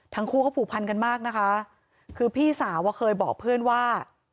ทั้งคู่เขาผูกพันกันมากนะคะคือพี่สาวอ่ะเคยบอกเพื่อนว่า